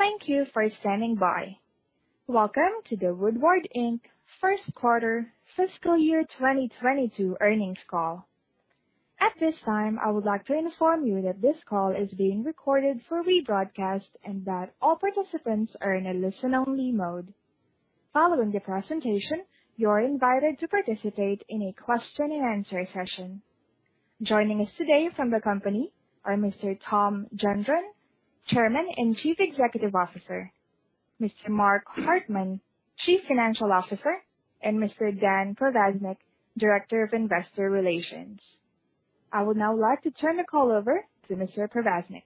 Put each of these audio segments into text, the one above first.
Thank you for standing by. Welcome to the Woodward, Inc. first quarter fiscal year 2022 earnings call. At this time, I would like to inform you that this call is being recorded for rebroadcast and that all participants are in a listen-only mode. Following the presentation, you are invited to participate in a question-and-answer session. Joining us today from the company are Mr. Tom Gendron, Chairman and Chief Executive Officer, Mr. Mark Hartman, Chief Financial Officer, and Mr. Dan Provaznik, Director of Investor Relations. I would now like to turn the call over to Mr. Provaznik.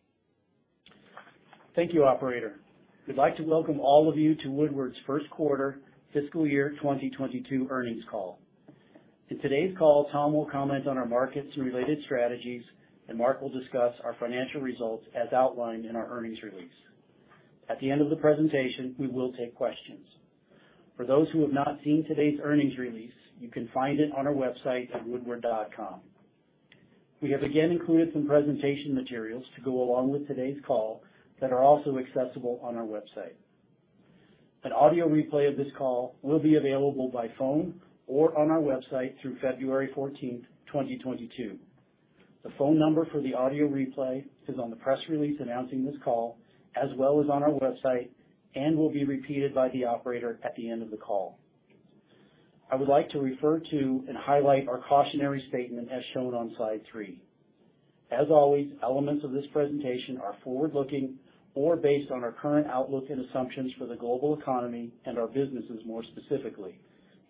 Thank you, operator. We'd like to welcome all of you to Woodward's first quarter fiscal year 2022 earnings call. In today's call, Tom will comment on our markets and related strategies, and Mark will discuss our financial results as outlined in our earnings release. At the end of the presentation, we will take questions. For those who have not seen today's earnings release, you can find it on our website at woodward.com. We have again included some presentation materials to go along with today's call that are also accessible on our website. An audio replay of this call will be available by phone or on our website through February 14, 2022. The phone number for the audio replay is on the press release announcing this call, as well as on our website, and will be repeated by the operator at the end of the call. I would like to refer to and highlight our cautionary statement as shown on slide three. As always, elements of this presentation are forward-looking or based on our current outlook and assumptions for the global economy and our businesses more specifically,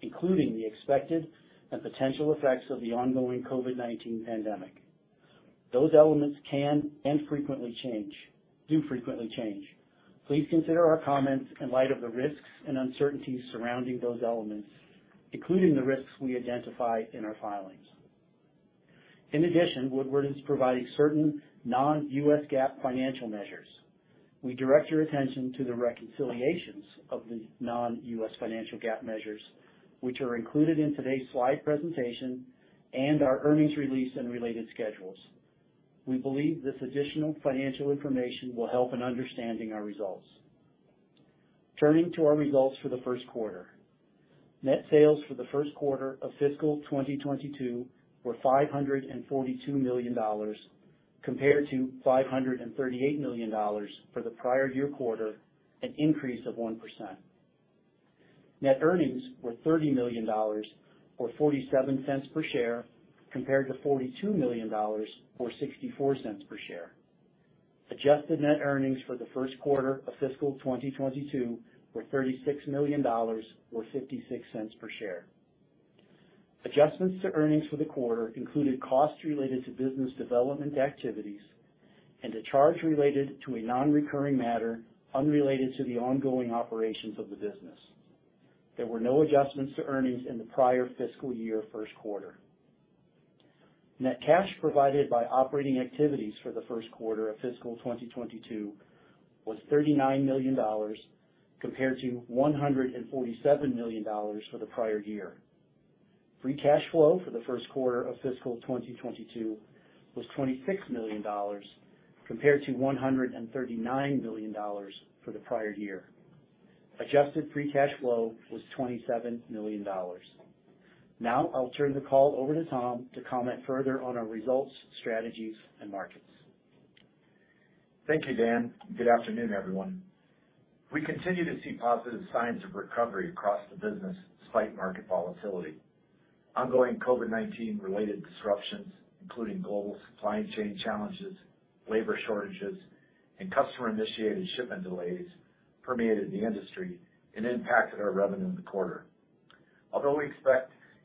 including the expected and potential effects of the ongoing COVID-19 pandemic. Those elements can and frequently change, do frequently change. Please consider our comments in light of the risks and uncertainties surrounding those elements, including the risks we identify in our filings. In addition, Woodward is providing certain non-US GAAP financial measures. We direct your attention to the reconciliations of the non-US GAAP financial measures, which are included in today's slide presentation and our earnings release and related schedules. We believe this additional financial information will help in understanding our results. Turning to our results for the first quarter. Net sales for the first quarter of fiscal 2022 were $542 million compared to $538 million for the prior year quarter, an increase of 1%. Net earnings were $30 million or $0.47 per share, compared to $42 million or $0.64 per share. Adjusted net earnings for the first quarter of fiscal 2022 were $36 million or $0.56 per share. Adjustments to earnings for the quarter included costs related to business development activities and a charge related to a non-recurring matter unrelated to the ongoing operations of the business. There were no adjustments to earnings in the prior fiscal year first quarter. Net cash provided by operating activities for the first quarter of fiscal 2022 was $39 million compared to $147 million for the prior year. Free cash flow for the first quarter of fiscal 2022 was $26 million compared to $139 million for the prior year. Adjusted free cash flow was $27 million. Now I'll turn the call over to Tom to comment further on our results, strategies, and markets. Thank you, Dan. Good afternoon, everyone. We continue to see positive signs of recovery across the business despite market volatility. Ongoing COVID-19 related disruptions, including global supply chain challenges, labor shortages, and customer-initiated shipment delays permeated the industry and impacted our revenue in the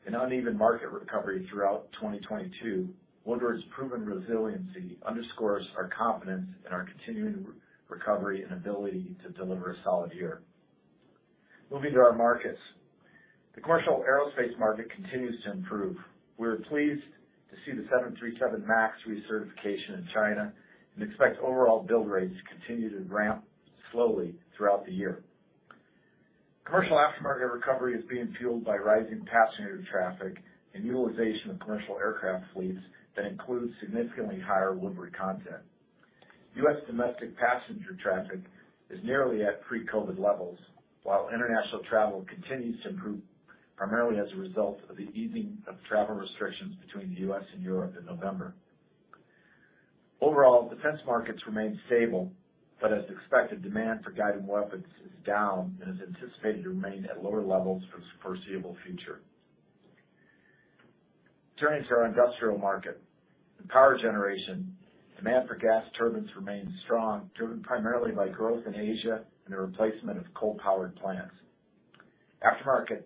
quarter. Although we expect an uneven market recovery throughout 2022, Woodward's proven resiliency underscores our confidence in our continuing recovery and ability to deliver a solid year. Moving to our markets. The commercial aerospace market continues to improve. We're pleased to see the 737 MAX recertification in China and expect overall build rates to continue to ramp slowly throughout the year. Commercial aftermarket recovery is being fueled by rising passenger traffic and utilization of commercial aircraft fleets that include significantly higher Woodward content. U.S. domestic passenger traffic is nearly at pre-COVID levels, while international travel continues to improve primarily as a result of the easing of travel restrictions between the U.S. and Europe in November. Overall, defense markets remain stable, but as expected, demand for guided weapons is down and is anticipated to remain at lower levels for the foreseeable future. Turning to our industrial market. In power generation, demand for gas turbines remains strong, driven primarily by growth in Asia and the replacement of coal-powered plants. Aftermarket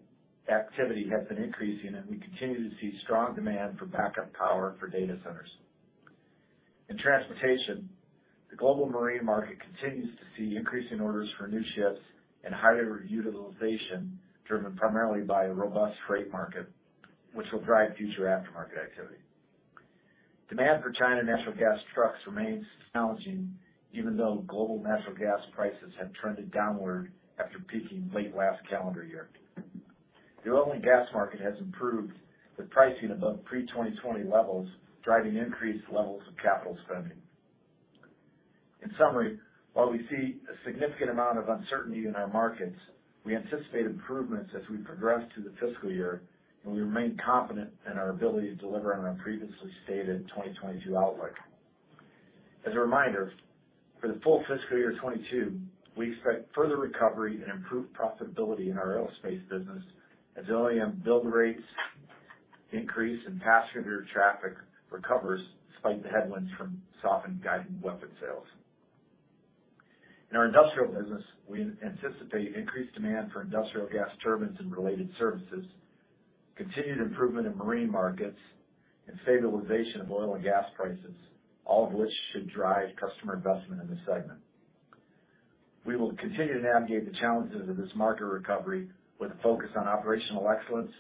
activity has been increasing, and we continue to see strong demand for backup power for data centers. In transportation, the global marine market continues to see increasing orders for new ships and higher utilization, driven primarily by a robust freight market, which will drive future aftermarket activity. Demand for China natural gas trucks remains challenging even though global natural gas prices have trended downward after peaking late last calendar year. The oil and gas market has improved, with pricing above pre-2020 levels, driving increased levels of capital spending. In summary, while we see a significant amount of uncertainty in our markets, we anticipate improvements as we progress through the fiscal year, and we remain confident in our ability to deliver on our previously stated 2022 outlook. As a reminder, for the full fiscal year 2022, we expect further recovery and improved profitability in our aerospace business as OEM build rates increase and passenger air traffic recovers despite the headwinds from softened guided weapon sales. In our industrial business, we anticipate increased demand for industrial gas turbines and related services, continued improvement in marine markets, and stabilization of oil and gas prices, all of which should drive customer investment in the segment. We will continue to navigate the challenges of this market recovery with a focus on operational excellence,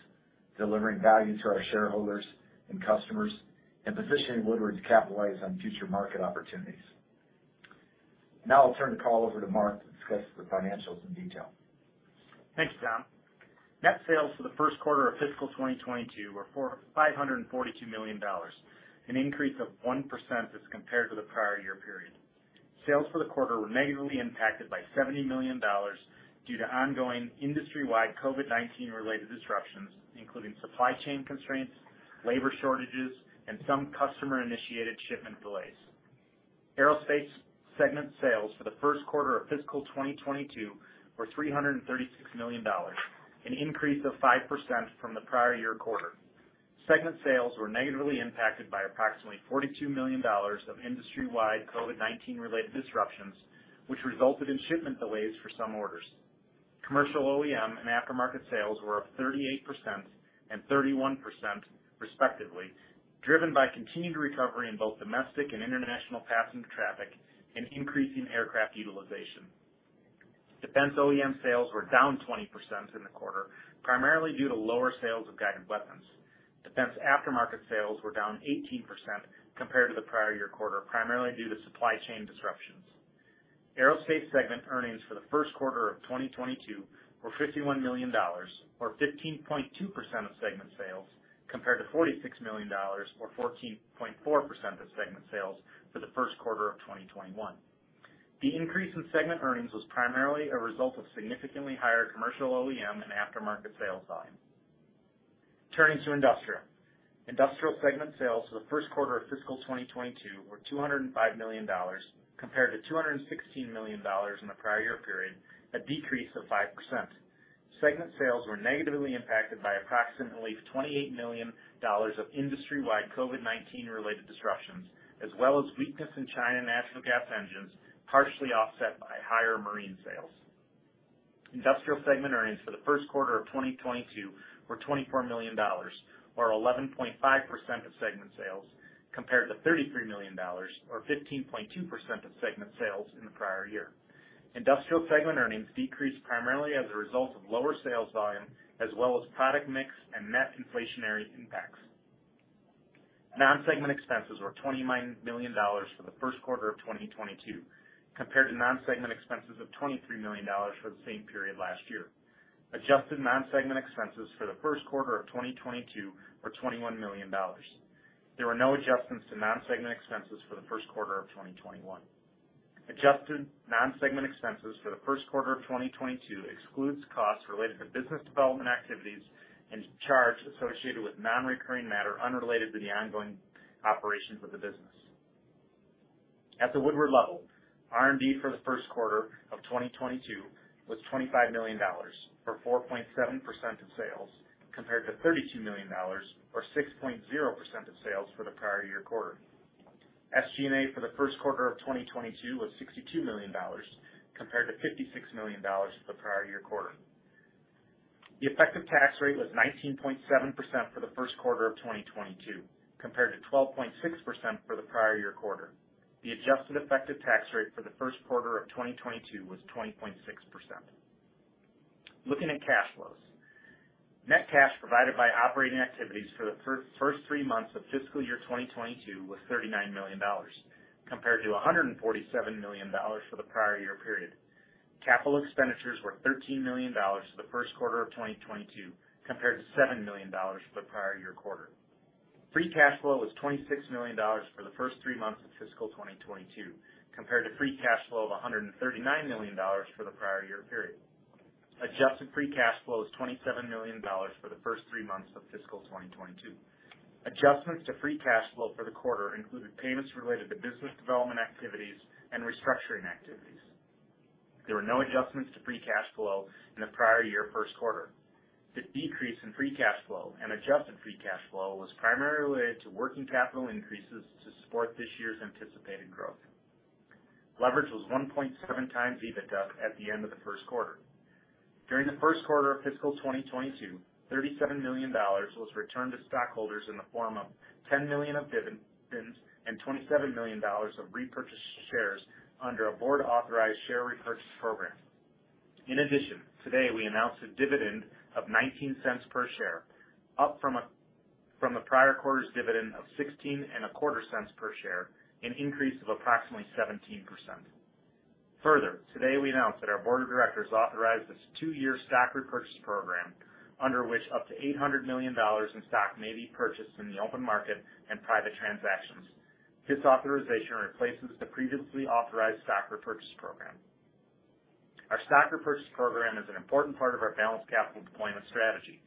delivering value to our shareholders and customers, and positioning Woodward to capitalize on future market opportunities. Now I'll turn the call over to Mark to discuss the financials in detail. Thanks, Tom. Net sales for the first quarter of fiscal 2022 were $542 million, an increase of 1% as compared to the prior year period. Sales for the quarter were negatively impacted by $70 million due to ongoing industry-wide COVID-19 related disruptions, including supply chain constraints, labor shortages, and some customer-initiated shipment delays. Aerospace segment sales for the first quarter of fiscal 2022 were $336 million, an increase of 5% from the prior year quarter. Segment sales were negatively impacted by approximately $42 million of industry-wide COVID-19 related disruptions, which resulted in shipment delays for some orders. Commercial OEM and aftermarket sales were up 38% and 31% respectively, driven by continued recovery in both domestic and international passenger traffic and increasing aircraft utilization. Defense OEM sales were down 20% in the quarter, primarily due to lower sales of guided weapons. Defense aftermarket sales were down 18% compared to the prior year quarter, primarily due to supply chain disruptions. Aerospace segment earnings for the first quarter of 2022 were $51 million, or 15.2% of segment sales, compared to $46 million or 14.4% of segment sales for the first quarter of 2021. The increase in segment earnings was primarily a result of significantly higher commercial OEM and aftermarket sales volume. Turning to Industrial. Industrial segment sales for the first quarter of fiscal 2022 were $205 million compared to $216 million in the prior year period, a decrease of 5%. Segment sales were negatively impacted by approximately $28 million of industry-wide COVID-19 related disruptions, as well as weakness in China natural gas engines, partially offset by higher marine sales. Industrial segment earnings for the first quarter of 2022 were $24 million, or 11.5% of segment sales, compared to $33 million, or 15.2% of segment sales in the prior year. Industrial segment earnings decreased primarily as a result of lower sales volume as well as product mix and net inflationary impacts. Non-segment expenses were $29 million for the first quarter of 2022, compared to non-segment expenses of $23 million for the same period last year. Adjusted non-segment expenses for the first quarter of 2022 were $21 million. There were no adjustments to non-segment expenses for the first quarter of 2021. Adjusted non-segment expenses for the first quarter of 2022 exclude costs related to business development activities and charges associated with non-recurring matter unrelated to the ongoing operations of the business. At the Woodward level, R&D for the first quarter of 2022 was $25 million, or 4.7% of sales, compared to $32 million or 6.0% of sales for the prior year quarter. SG&A for the first quarter of 2022 was $62 million, compared to $56 million for the prior year quarter. The effective tax rate was 19.7% for the first quarter of 2022, compared to 12.6% for the prior year quarter. The adjusted effective tax rate for the first quarter of 2022 was 20.6%. Looking at cash flows. Net cash provided by operating activities for the first three months of fiscal year 2022 was $39 million, compared to $147 million for the prior year period. Capital expenditures were $13 million for the first quarter of 2022, compared to $7 million for the prior year quarter. Free cash flow was $26 million for the first three months of fiscal 2022, compared to free cash flow of $139 million for the prior year period. Adjusted free cash flow is $27 million for the first three months of fiscal 2022. Adjustments to free cash flow for the quarter included payments related to business development activities and restructuring activities. There were no adjustments to free cash flow in the prior year first quarter. The decrease in free cash flow and adjusted free cash flow was primarily related to working capital increases to support this year's anticipated growth. Leverage was 1.7 times EBITDA at the end of the first quarter. During the first quarter of fiscal 2022, $37 million was returned to stockholders in the form of $10 million of dividends and $27 million of repurchased shares under a board-authorized share repurchase program. In addition, today, we announced a dividend of 19 cents per share, up from a prior quarter's dividend of 16.25 cents per share, an increase of approximately 17%. Further, today we announce that our board of directors authorized its two-year stock repurchase program, under which up to $800 million in stock may be purchased in the open market and private transactions. This authorization replaces the previously authorized stock repurchase program. Our stock repurchase program is an important part of our balanced capital deployment strategy.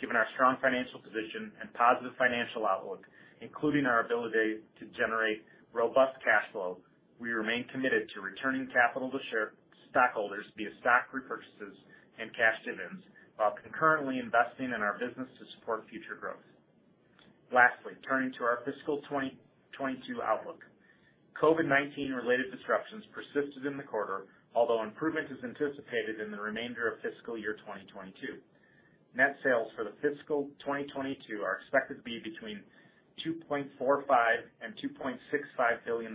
Given our strong financial position and positive financial outlook, including our ability to generate robust cash flow, we remain committed to returning capital to shareholders via stock repurchases and cash dividends, while concurrently investing in our business to support future growth. Lastly, turning to our fiscal 2022 outlook. COVID-19 related disruptions persisted in the quarter, although improvement is anticipated in the remainder of fiscal year 2022. Net sales for the fiscal 2022 are expected to be between $2.45 billion and $2.65 billion.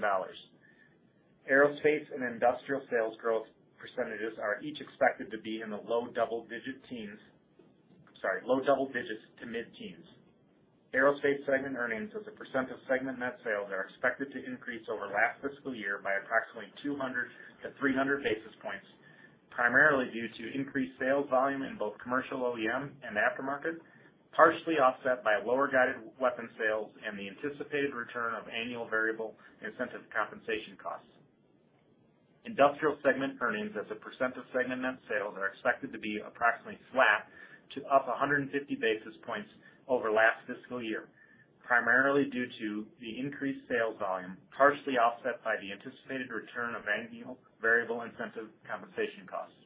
Aerospace and industrial sales growth percentages are each expected to be in the low double-digit teens. Sorry, low double digits to mid-teens. Aerospace segment earnings as a percent of segment net sales are expected to increase over last fiscal year by approximately 200-300 basis points, primarily due to increased sales volume in both commercial OEM and aftermarket, partially offset by lower guided weapon sales and the anticipated return of annual variable incentive compensation costs. Industrial segment earnings as a percent of segment net sales are expected to be approximately flat to up 150 basis points over last fiscal year, primarily due to the increased sales volume, partially offset by the anticipated return of annual variable incentive compensation costs.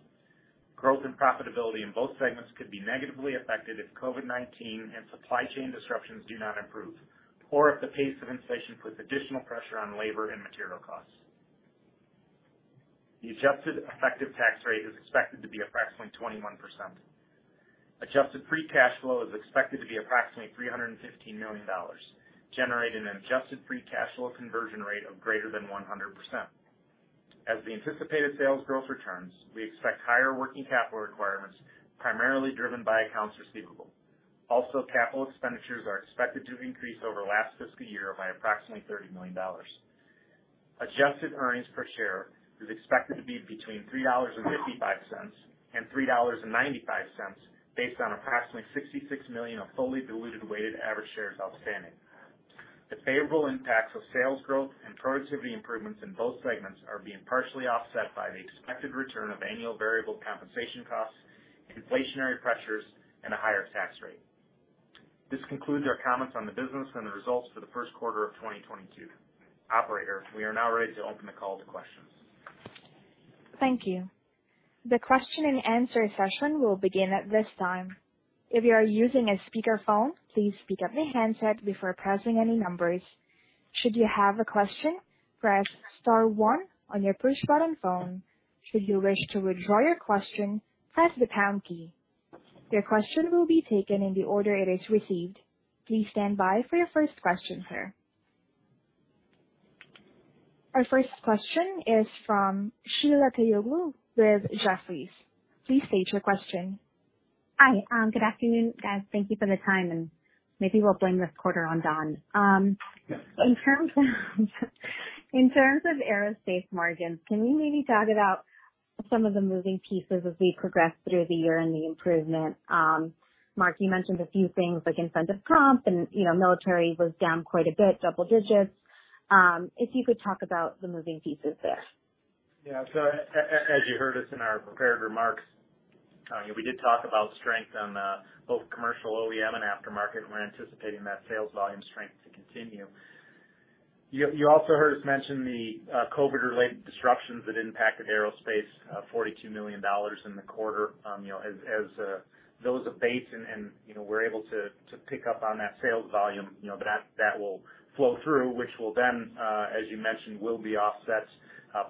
Growth and profitability in both segments could be negatively affected if COVID-19 and supply chain disruptions do not improve, or if the pace of inflation puts additional pressure on labor and material costs. The adjusted effective tax rate is expected to be approximately 21%. Adjusted free cash flow is expected to be approximately $315 million, generating an adjusted free cash flow conversion rate of greater than 100%. As the anticipated sales growth returns, we expect higher working capital requirements, primarily driven by accounts receivable. Capital expenditures are expected to increase over last fiscal year by approximately $30 million. Adjusted earnings per share is expected to be between $3.55 and $3.95, based on approximately 66 million of fully diluted weighted average shares outstanding. The favorable impacts of sales growth and productivity improvements in both segments are being partially offset by the expected return of annual variable compensation costs, inflationary pressures, and a higher tax rate. This concludes our comments on the business and the results for the first quarter of 2022. Operator, we are now ready to open the call to questions. Thank you. The question and answer session will begin at this time. If you are using a speakerphone, please pick up the handset before pressing any numbers. Should you have a question, press star one on your push-button phone. Should you wish to withdraw your question, press the pound key. Your question will be taken in the order it is received. Please stand by for your first question, sir. Our first question is from Sheila Kahyaoglu with Jefferies. Please state your question. Hi, good afternoon, guys. Thank you for the time, and maybe we'll blame this quarter on Don. In terms of aerospace margins, can you maybe talk about some of the moving pieces as we progress through the year and the improvement? Mark, you mentioned a few things like incentive comp, and, you know, military was down quite a bit, double digits. If you could talk about the moving pieces there. As you heard us in our prepared remarks, we did talk about strength on both commercial OEM and aftermarket, and we're anticipating that sales volume strength to continue. You also heard us mention the COVID-related disruptions that impacted aerospace $42 million in the quarter. As those abate and we're able to pick up on that sales volume, that will flow through, which will then, as you mentioned, will be offset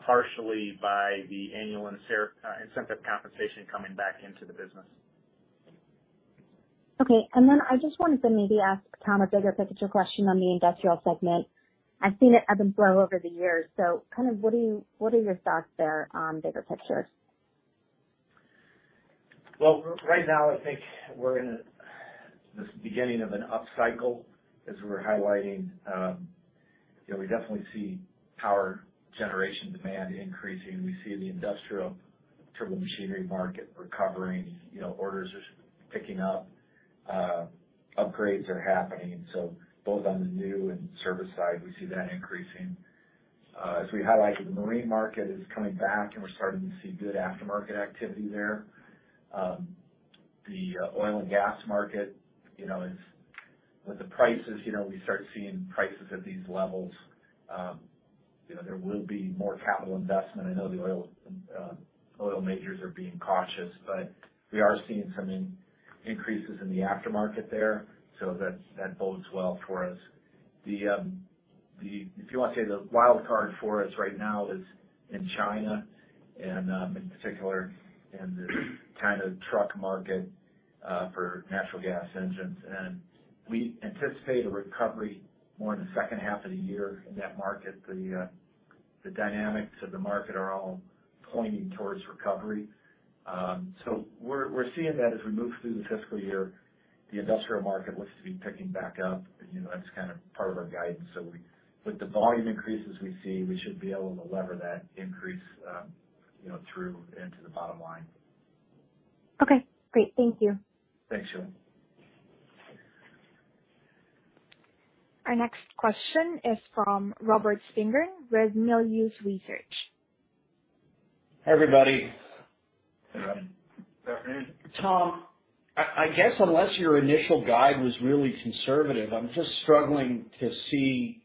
partially by the annual incentive compensation coming back into the business. Okay. I just wanted to maybe ask Tom a bigger picture question on the industrial segment. I've seen it ebb and flow over the years. Kind of what are your thoughts there on bigger picture? Well, right now I think we're in this beginning of an upcycle. As we're highlighting, you know, we definitely see power generation demand increasing. We see the industrial turbomachinery market recovering. You know, orders are picking up. Upgrades are happening. Both on the new and service side, we see that increasing. As we highlighted, the marine market is coming back, and we're starting to see good aftermarket activity there. The oil and gas market, you know, is with the prices, you know, we start seeing prices at these levels, you know, there will be more capital investment. I know the oil oil majors are being cautious, but we are seeing some increases in the aftermarket there, so that bodes well for us. If you wanna say the wild card for us right now is in China and, in particular, in the China truck market for natural gas engines. We anticipate a recovery more in the second half of the year in that market. The dynamics of the market are all pointing towards recovery. We're seeing that as we move through the fiscal year, the industrial market looks to be picking back up. You know, that's kind of part of our guidance. With the volume increases we see, we should be able to leverage that increase, you know, through into the bottom line. Okay, great. Thank you. Thanks, Sheila. Our next question is from Robert Spingarn with Melius Research. Hey, everybody. Hey, Rob. Good afternoon. Tom, I guess unless your initial guide was really conservative, I'm just struggling to see,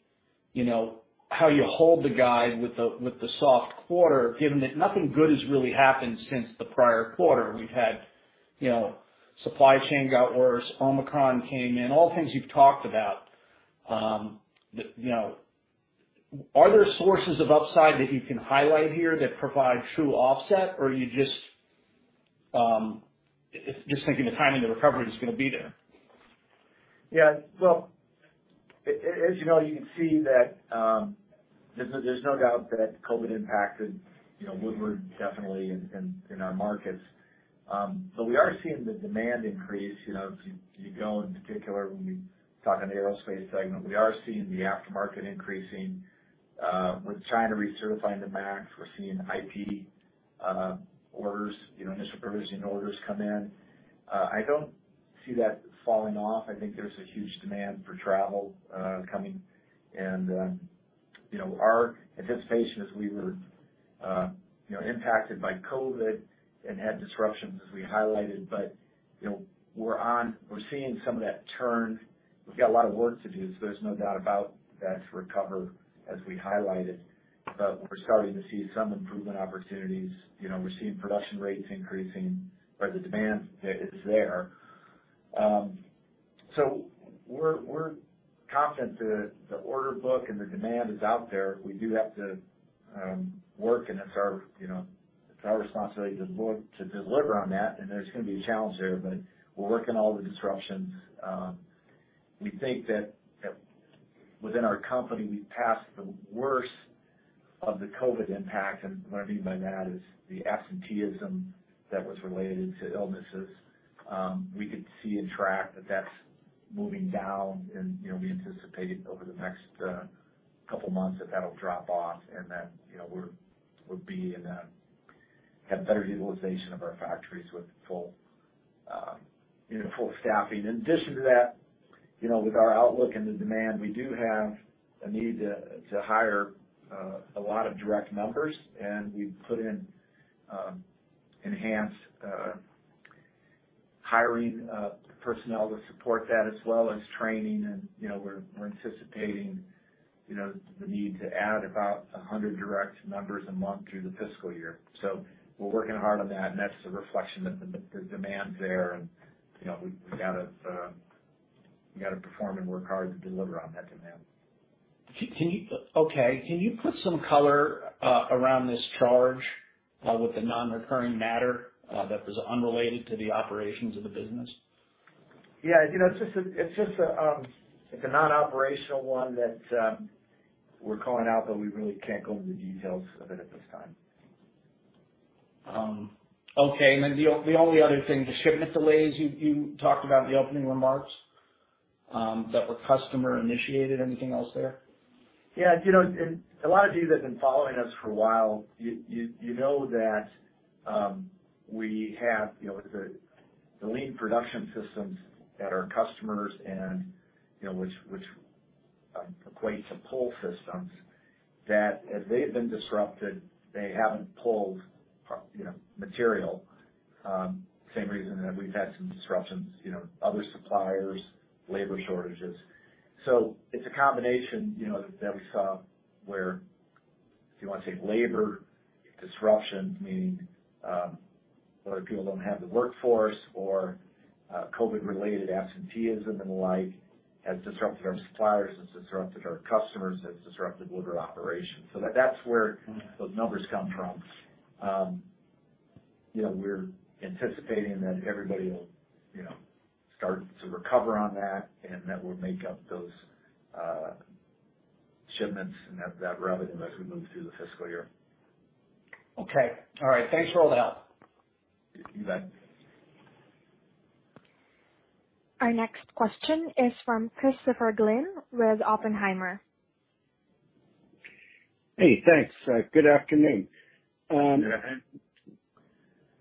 you know, how you hold the guide with the soft quarter, given that nothing good has really happened since the prior quarter. We've had, you know, supply chain got worse, Omicron came in, all things you've talked about. Are there sources of upside that you can highlight here that provide true offset? Or are you just thinking the timing and the recovery is gonna be there? Yeah. Well, as you know, you can see that there's no doubt that COVID impacted, you know, Woodward definitely in our markets. We are seeing the demand increase, you know, if you go in particular when we talk on the Aerospace segment. We are seeing the aftermarket increasing. With China recertifying the MAX, we're seeing IP orders, you know, and spares orders come in. I don't see that falling off. I think there's a huge demand for travel coming. Our anticipation is we were impacted by COVID and had disruptions as we highlighted, but you know, we're seeing some of that turn. We've got a lot of work to do, so there's no doubt about that, to recover, as we highlighted. We're starting to see some improvement opportunities. You know, we're seeing production rates increasing where the demand is there. We're confident the order book and the demand is out there. We do have to work, and that's our, you know, that's our responsibility to deliver on that, and there's gonna be a challenge there. We're working all the disruptions. We think that within our company, we've passed the worst of the COVID impact. What I mean by that is the absenteeism that was related to illnesses, we could see and track that that's moving down. You know, we anticipate over the next couple months that that'll drop off and that, you know, we'll have better utilization of our factories with full, you know, full staffing. In addition to that, you know, with our outlook and the demand, we do have a need to hire a lot of direct numbers. We've put in enhanced hiring personnel to support that as well as training. You know, we're anticipating, you know, the need to add about 100 direct numbers a month through the fiscal year. We're working hard on that, and that's a reflection that the demand's there. You know, we gotta perform and work hard to deliver on that demand. Can you put some color around this charge with the non-recurring matter that was unrelated to the operations of the business? Yeah. You know, it's just a, like, a non-operational one that we're calling out, but we really can't go into the details of it at this time. The only other thing, the shipment delays you talked about in the opening remarks that were customer initiated. Anything else there? Yeah. You know, and a lot of you that have been following us for a while, you know that we have, you know, the lean production systems at our customers and, you know, which equates to pull systems, that as they've been disrupted, they haven't pulled, you know, material. Same reason that we've had some disruptions, you know, other suppliers, labor shortages. It's a combination, you know, that we saw where, if you wanna say labor disruptions, meaning, whether people don't have the workforce or, COVID-related absenteeism and the like, has disrupted our suppliers, it's disrupted our customers, it's disrupted Woodward operations. That's where those numbers come from. You know, we're anticipating that everybody will, you know, start to recover on that and that we'll make up those shipments and that revenue as we move through the fiscal year. Okay. All right. Thanks for all the help. You bet. Our next question is from Christopher Glynn with Oppenheimer. Hey, thanks. Good afternoon. Good afternoon.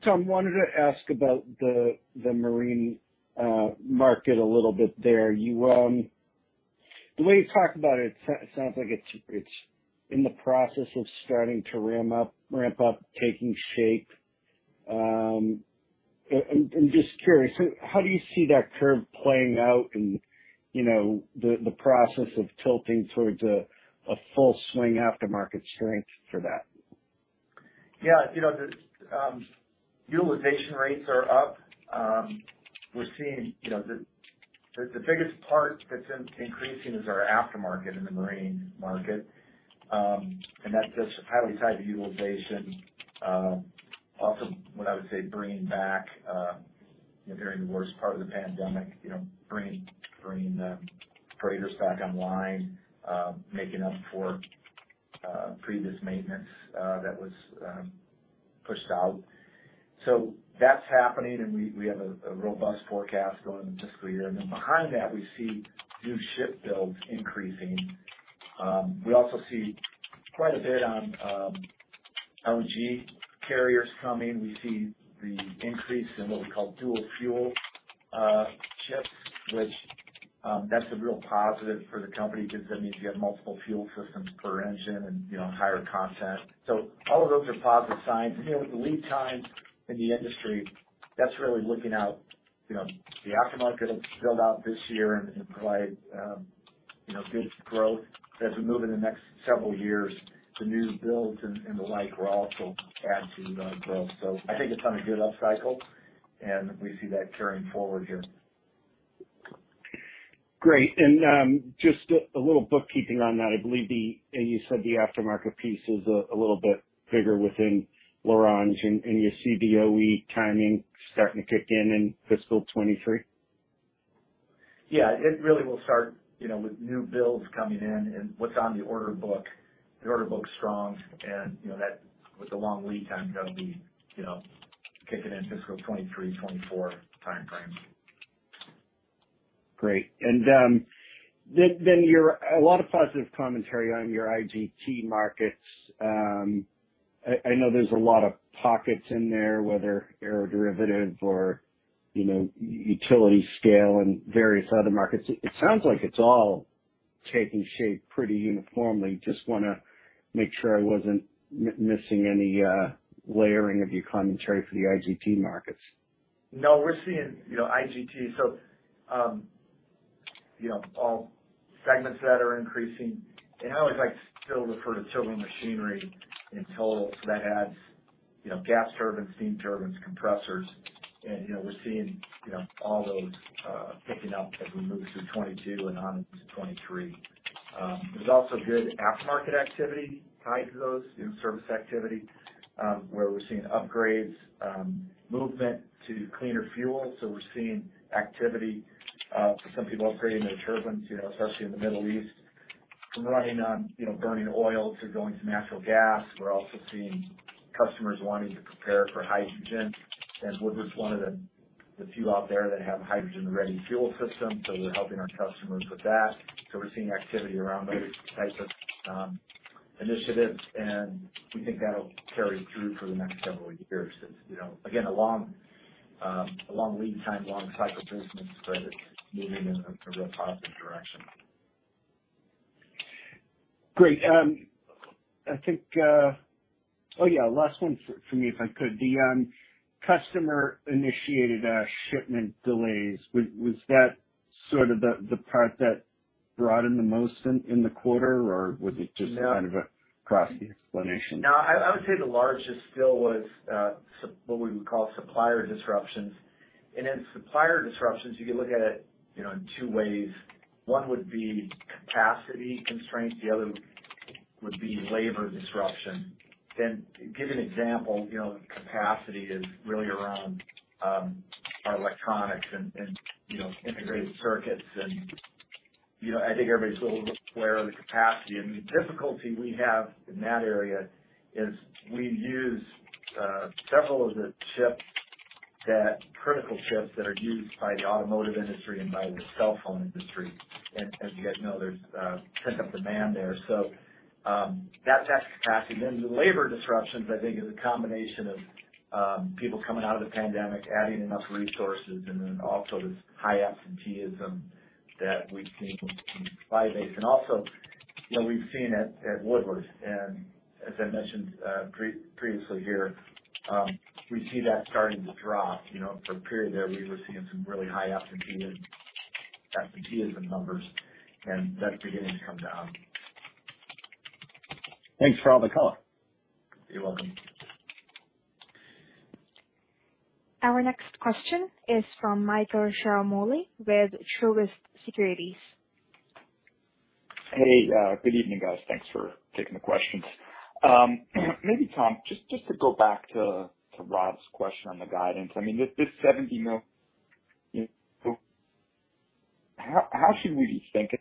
Tom, I wanted to ask about the marine market a little bit there. You, the way you talk about it, sounds like it's in the process of starting to ramp up, taking shape. I'm just curious, how do you see that curve playing out in, you know, the process of tilting towards a full swing aftermarket strength for that? Yeah. You know, the utilization rates are up. We're seeing, you know, the biggest part that's increasing is our aftermarket in the marine market. That's just highly tied to utilization, also what I would say bringing back. You know, during the worst part of the pandemic, you know, bringing the freighter stock online, making up for previous maintenance that was pushed out. That's happening, and we have a robust forecast going into the fiscal year. Behind that we see new ship builds increasing. We also see quite a bit on LNG carriers coming. We see the increase in what we call dual fuel ships, which that's a real positive for the company because that means you have multiple fuel systems per engine and, you know, higher content. All of those are positive signs. You know, with the lead times in the industry, that's really looking out, you know, the aftermarket will build out this year and provide, you know, good growth as we move into the next several years. The new builds and the like will also add to the growth. I think it's on a good upcycle, and we see that carrying forward here. Great. Just a little bookkeeping on that. I believe you said the aftermarket piece is a little bit bigger within L'Orange. You see OE timing starting to kick in in fiscal 2023? Yeah. It really will start, you know, with new builds coming in and what's on the order book. The order book's strong and, you know, that with the long lead times that'll be, you know, kicking in fiscal 2023, 2024 timeframe. Great. Then a lot of positive commentary on your IGT markets. I know there's a lot of pockets in there, whether aeroderivative or utility scale and various other markets. It sounds like it's all taking shape pretty uniformly. Just wanna make sure I wasn't missing any layering of your commentary for the IGT markets. No, we're seeing, you know, IGT, so, you know, all segments that are increasing. I always like to still refer to Turbo Machinery in total. That adds, you know, gas turbines, steam turbines, compressors. You know, we're seeing, you know, all those picking up as we move through 2022 and on into 2023. There's also good aftermarket activity tied to those in service activity, where we're seeing upgrades, movement to cleaner fuel. We're seeing activity for some people upgrading their turbines, you know, especially in the Middle East, from running on, you know, burning oil to going to natural gas. We're also seeing customers wanting to prepare for hydrogen. Woodward's one of the few out there that have a hydrogen-ready fuel system, so we're helping our customers with that. We're seeing activity around those types of initiatives, and we think that'll carry through for the next several years. It's, you know, again, a long lead time, long cycle business, but it's moving in a real positive direction. Great. I think. Oh yeah, last one for me, if I could. The customer-initiated shipment delays, was that sort of the part that broadened the most in the quarter, or was it just- No. Kind of a cross explanation? No. I would say the largest still was what we would call supplier disruptions. In supplier disruptions, you could look at it, you know, in two ways. One would be capacity constraints, the other would be labor disruption. To give an example, you know, capacity is really around our electronics and, you know, integrated circuits. You know, I think everybody's a little aware of the capacity. The difficulty we have in that area is we use several of the critical chips that are used by the automotive industry and by the cell phone industry. As you guys know, there's a pent-up demand there. That's capacity. The labor disruptions, I think is a combination of, people coming out of the pandemic, adding enough resources, and then also this high absenteeism that we've seen from some supply base. Also, you know, we've seen at Woodward, and as I mentioned, previously here, we see that starting to drop. You know, for a period there we were seeing some really high absenteeism numbers, and that's beginning to come down. Thanks for all the color. You're welcome. Our next question is from Michael Ciarmoli with Truist Securities. Hey. Good evening, guys. Thanks for taking the questions. Maybe, Tom, just to go back to Rob's question on the guidance. I mean, this $70 million, you know, how should we be thinking,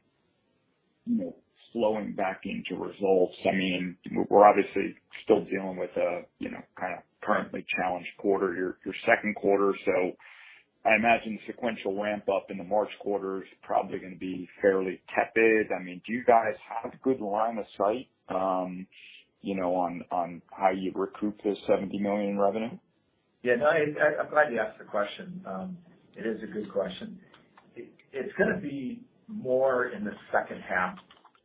you know, flowing back into results? I mean, we're obviously still dealing with a, you know, kind of currently challenged quarter here, your second quarter. I imagine sequential ramp up in the March quarter is probably gonna be fairly tepid. I mean, do you guys have good line of sight, you know, on how you'd recoup this $70 million revenue? Yeah, no, I'm glad you asked the question. It is a good question. It's gonna be more in the second half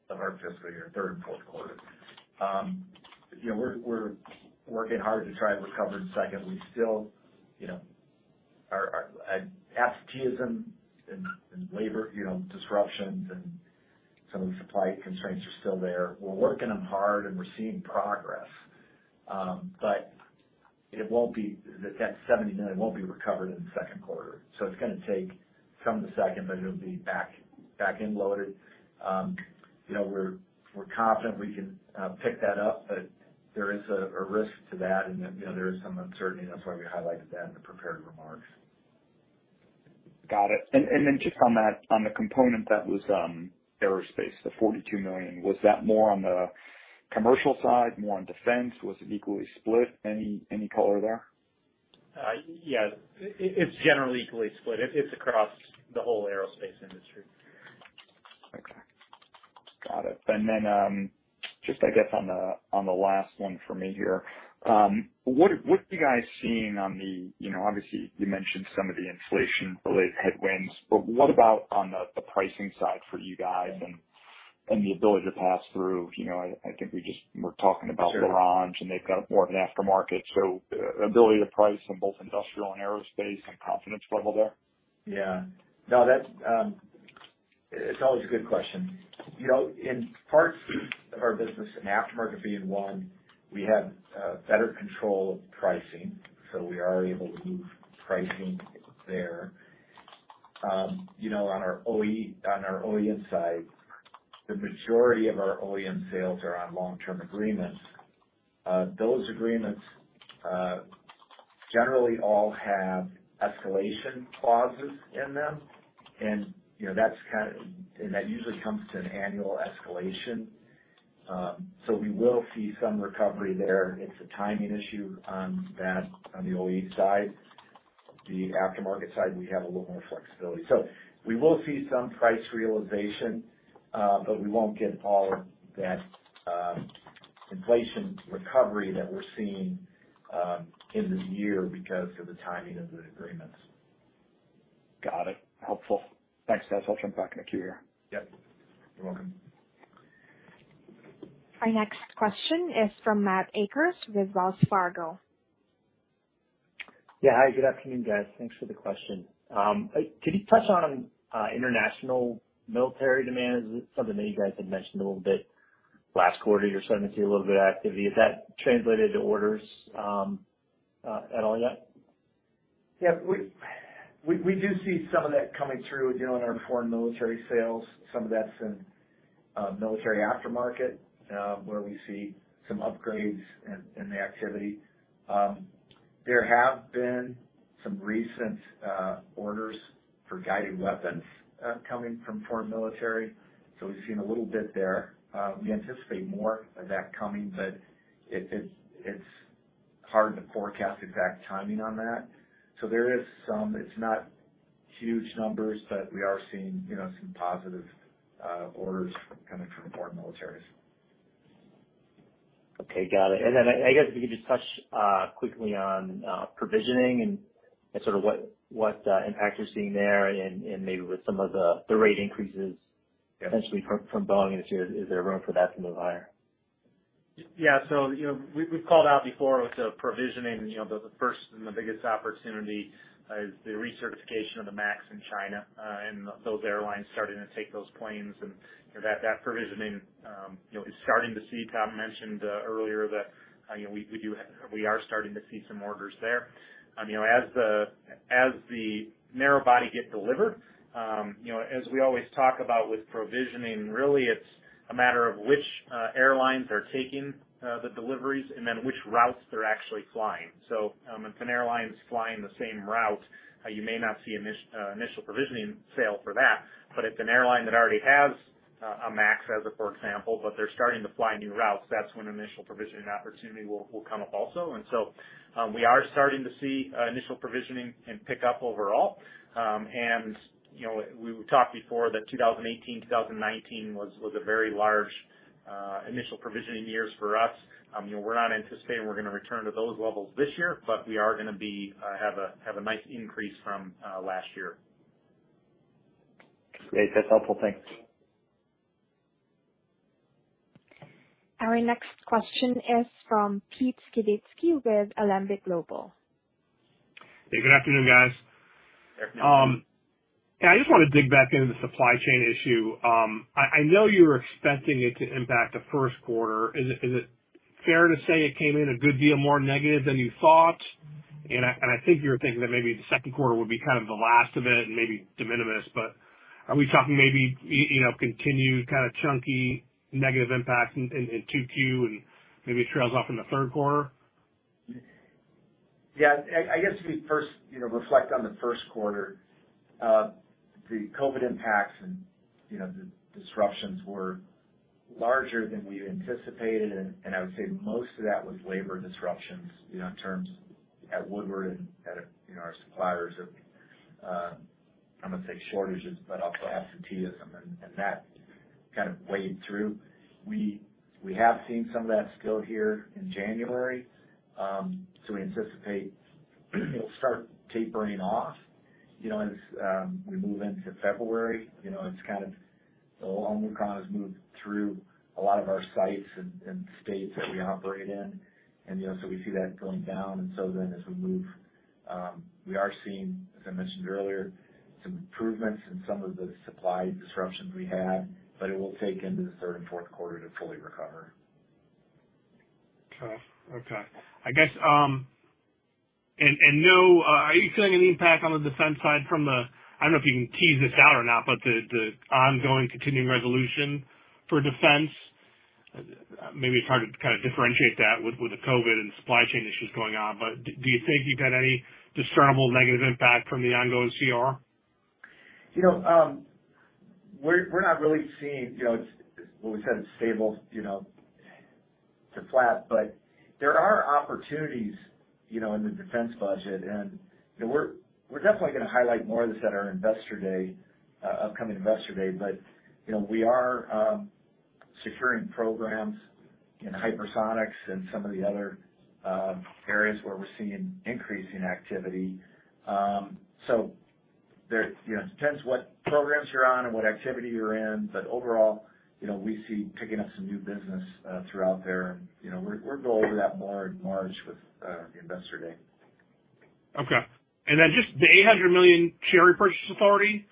of our fiscal year, third and fourth quarters. You know, we're working hard to try to recover in second. We still, you know, our absenteeism and labor disruptions and some of the supply constraints are still there. We're working them hard and we're seeing progress. It won't be. That $70 million won't be recovered in the second quarter. It'll be back-end loaded. You know, we're confident we can pick that up, but there is a risk to that. You know, there is some uncertainty. That's why we highlighted that in the prepared remarks. Got it. Just on that, on the component that was aerospace, the $42 million, was that more on the commercial side, more on defense? Was it equally split? Any color there? Yeah. It's generally equally split. It's across the whole aerospace industry. Okay. Got it. Just, I guess, on the last one for me here. What are you guys seeing on the, you know, obviously you mentioned some of the inflation-related headwinds, but what about on the pricing side for you guys and the ability to pass through? You know, I think we just were talking about- Sure. L'Orange, and they've got more of an aftermarket. Ability to price on both industrial and aerospace and confidence level there. Yeah. No, that's. It's always a good question. You know, in parts of our business, and aftermarket being one, we have better control of pricing, so we are able to move pricing there. You know, on our OE, on our OEM side, the majority of our OEM sales are on long-term agreements. Those agreements generally all have escalation clauses in them. You know, that usually comes to an annual escalation. We will see some recovery there. It's a timing issue on that, on the OE side. The aftermarket side, we have a little more flexibility. We will see some price realization, but we won't get all of that inflation recovery that we're seeing in this year because of the timing of the agreements. Got it. Helpful. Thanks, guys. I'll jump back in the queue here. Yep. You're welcome. Our next question is from Matt Akers with Wells Fargo. Yeah. Hi, good afternoon, guys. Thanks for the question. Could you touch on international military demand? Is it something that you guys had mentioned a little bit last quarter? You're starting to see a little bit of activity. Has that translated to orders at all yet? Yeah. We do see some of that coming through, you know, in our foreign military sales. Some of that's in military aftermarket, where we see some upgrades in the activity. There have been some recent orders for guided weapons coming from foreign military. We've seen a little bit there. We anticipate more of that coming, but it's hard to forecast exact timing on that. There is some. It's not huge numbers, but we are seeing, you know, some positive orders coming from foreign militaries. Okay. Got it. I guess if you could just touch quickly on provisioning and sort of what impact you're seeing there and maybe with some of the rate increases. Yeah. Essentially from volume this year. Is there room for that to move higher? Yeah. You know, we've called out before with the provisioning, you know, the first and the biggest opportunity is the recertification of the MAX in China, and those airlines starting to take those planes. You know, that provisioning, you know, is starting to see. Tom mentioned earlier that you know, we are starting to see some orders there. You know, as the narrow body get delivered, you know, as we always talk about with provisioning, really it's a matter of which airlines are taking the deliveries and then which routes they're actually flying. If an airline's flying the same route, you may not see initial provisioning sale for that. If an airline that already has a MAX, for example, but they're starting to fly new routes, that's when initial provisioning opportunity will come up also. We are starting to see initial provisioning pick up overall. You know, we talked before that 2018, 2019 was a very large initial provisioning years for us. You know, we're not anticipating we're gonna return to those levels this year, but we are gonna have a nice increase from last year. Great. That's helpful. Thanks. Our next question is from Pete Skibitski with Alembic Global. Hey, Good afternoon, guys. Afternoon. Yeah, I just wanna dig back into the supply chain issue. I know you were expecting it to impact the first quarter. Is it fair to say it came in a good deal more negative than you thought? I think you were thinking that maybe the second quarter would be kind of the last of it and maybe de minimis. Are we talking maybe you know continued kind of chunky negative impact in 2Q, and maybe it trails off in the third quarter? Yeah. I guess we first, you know, reflect on the first quarter. The COVID impacts and, you know, the disruptions were larger than we anticipated. I would say most of that was labor disruptions, you know, in terms of at Woodward and at, you know, our suppliers of, I'm gonna say shortages, but also absenteeism. That kind of played through. We have seen some of that still here in January. So we anticipate it'll start tapering off, you know, as we move into February. You know, it's kind of the Omicron has moved through a lot of our sites and states that we operate in. You know, so we see that going down. As we move, we are seeing, as I mentioned earlier, some improvements in some of the supply disruptions we had. It will take into the third and fourth quarter to fully recover. Okay. I guess, are you feeling an impact on the defense side from the, I don't know if you can tease this out or not, but the ongoing continuing resolution for defense, maybe it's hard to kind of differentiate that with the COVID and supply chain issues going on, but do you think you've had any discernible negative impact from the ongoing CR? You know, we're not really seeing, you know, it's when we said it's stable, you know, to flat, but there are opportunities, you know, in the defense budget and, you know, we're definitely gonna highlight more of this at our investor day, upcoming investor day. We are securing programs in hypersonics and some of the other areas where we're seeing increase in activity. There, you know, depends what programs you're on and what activity you're in, but overall, you know, we see picking up some new business, throughout there. You know, we'll go over that more in March with the investor day. Okay. Just the $800 million share repurchase authority,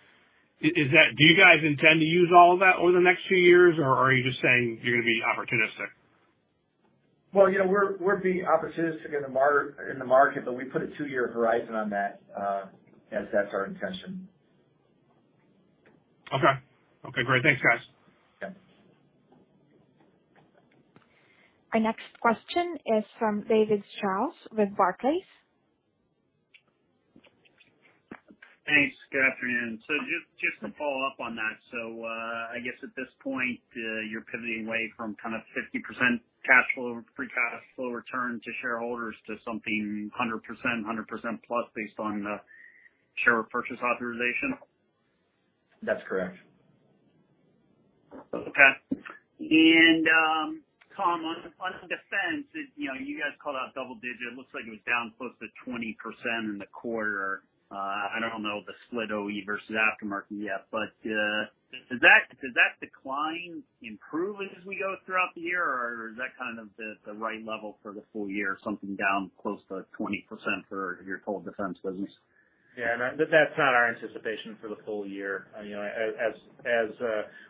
is that, do you guys intend to use all of that over the next few years, or are you just saying you're gonna be opportunistic? Well, you know, we're being opportunistic in the market, but we put a two-year horizon on that, as that's our intention. Okay. Okay, great. Thanks, guys. Okay. Our next question is from David Strauss with Barclays. Thanks. Good afternoon. Just to follow up on that, I guess at this point, you're pivoting away from kind of 50% cash flow, free cash flow return to shareholders to something 100%, 100% plus based on the share repurchase authorization? That's correct. Okay. Tom, on defense, you know, you guys called out double digit. It looks like it was down close to 20% in the quarter. I don't know the split OE versus aftermarket yet, but does that decline improve as we go throughout the year or is that kind of the right level for the full year, something down close to 20% for your total defense business? Yeah. That's not our anticipation for the full year. You know, as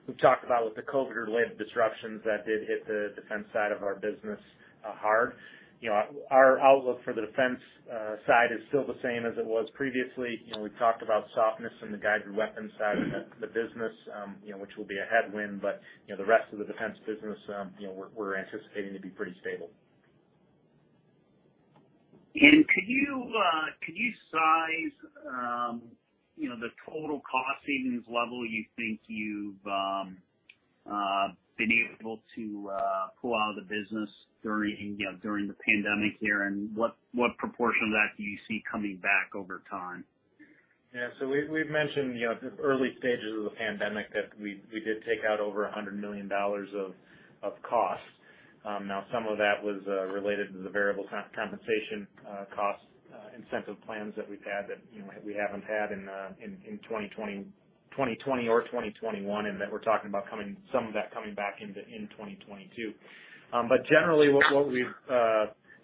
we've talked about with the COVID-related disruptions, that did hit the defense side of our business hard. You know, our outlook for the defense side is still the same as it was previously. You know, we've talked about softness in the guided weapons side of the business, you know, which will be a headwind. You know, the rest of the defense business, you know, we're anticipating to be pretty stable. Could you size, you know, the total cost savings level you think you've been able to pull out of the business during, you know, during the pandemic here? What proportion of that do you see coming back over time? Yeah. We've mentioned the early stages of the pandemic that we did take out over $100 million of costs. Now some of that was related to the variable compensation cost incentive plans that we've had that, you know, we haven't had in 2020 or 2021, and that we're talking about some of that coming back in 2022. Generally what we've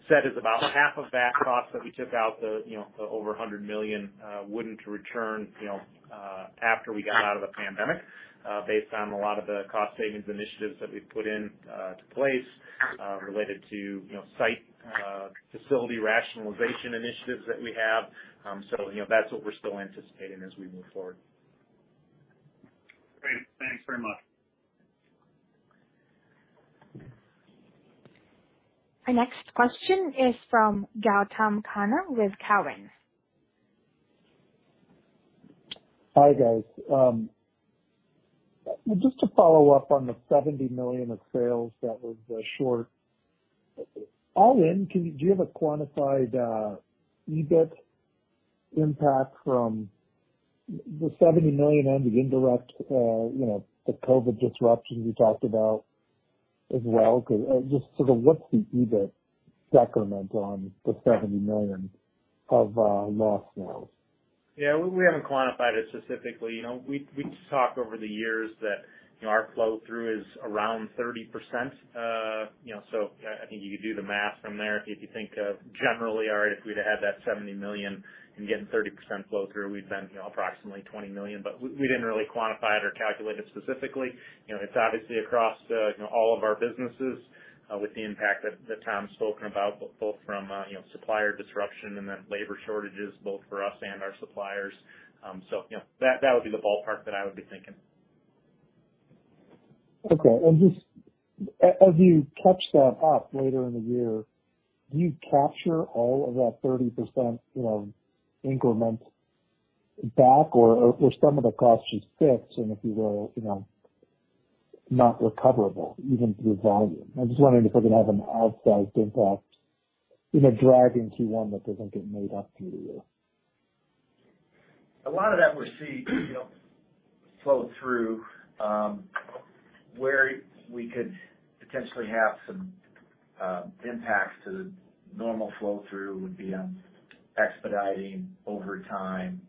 said is about half of that cost that we took out, the over $100 million, wouldn't return after we got out of the pandemic based on a lot of the cost savings initiatives that we've put in place related to site facility rationalization initiatives that we have. You know, that's what we're still anticipating as we move forward. Great. Thanks very much. Our next question is from Gautam Khanna with Cowen. Hi, guys. Just to follow up on the $70 million of sales that was short, all in, do you have a quantified EBIT impact from the $70 million and the indirect, the COVID disruptions you talked about as well? Because just sort of what's the EBIT decrement on the $70 million of lost sales? Yeah, we haven't quantified it specifically. You know, we just talk over the years that, you know, our flow through is around 30%. You know, so I think you could do the math from there. If you think of generally our, if we'd had that $70 million and getting 30% flow through, we'd been, you know, approximately $20 million, but we didn't really quantify it or calculate it specifically. You know, it's obviously across, you know, all of our businesses, with the impact that Tom's spoken about, both from, you know, supplier disruption and then labor shortages both for us and our suppliers. You know, that would be the ballpark that I would be thinking. Okay. Just as you catch that up later in the year, do you capture all of that 30%, you know, increment back or some of the cost is fixed and if you will, you know, not recoverable even through volume? I'm just wondering if they're gonna have an outsized impact, you know, driving Q1 that doesn't get made up through the year. A lot of that we see, you know, flow through. Where we could potentially have some impacts to the normal flow through would be on expediting overtime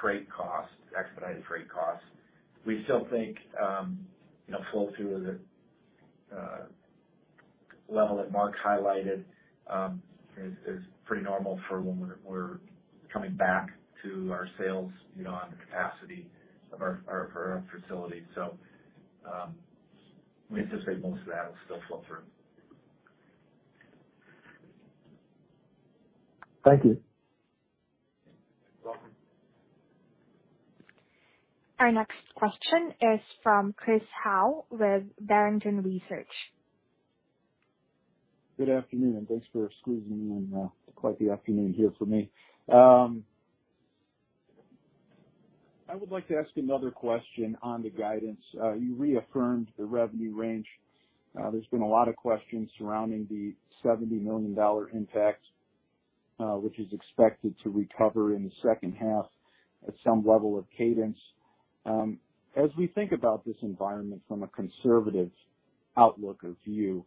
freight costs, expedited freight costs. We still think, you know, flow through is a level that Mark's highlighted is pretty normal for when we're coming back to our sales, you know, on the capacity of our facilities. We anticipate most of that will still flow through. Thank you. You're welcome. Our next question is from Chris Howe with Barrington Research. Good afternoon, and thanks for squeezing me in. It's quite the afternoon here for me. I would like to ask another question on the guidance. You reaffirmed the revenue range. There's been a lot of questions surrounding the $70 million impact, which is expected to recover in the second half at some level of cadence. As we think about this environment from a conservative outlook or view,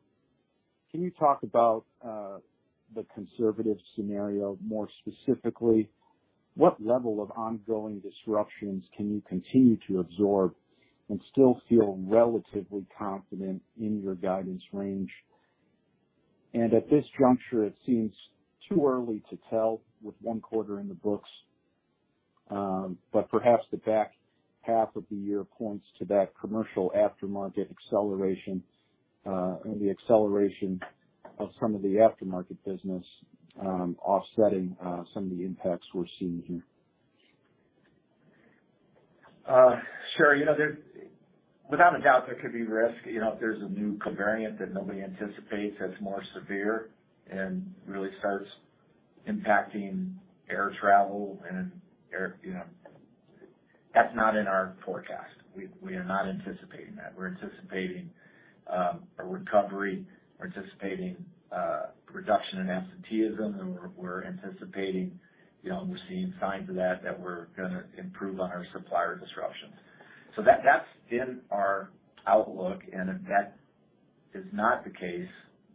can you talk about the conservative scenario more specifically? What level of ongoing disruptions can you continue to absorb and still feel relatively confident in your guidance range? At this juncture, it seems too early to tell with one quarter in the books. Perhaps the back half of the year points to that commercial aftermarket acceleration, I mean, the acceleration of some of the aftermarket business, offsetting some of the impacts we're seeing here. Sure. You know, without a doubt, there could be risk, you know, if there's a new COVID variant that nobody anticipates that's more severe and really starts impacting air travel and air, you know. That's not in our forecast. We are not anticipating that. We're anticipating a recovery. We're anticipating reduction in absenteeism, and we're anticipating, you know, we're seeing signs of that that we're gonna improve on our supplier disruptions. So that's in our outlook. If that is not the case,